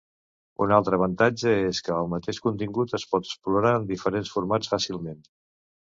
Un altre avantatge és que el mateix contingut es pot exportar en diferents formats fàcilment.